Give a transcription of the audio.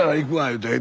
言うて。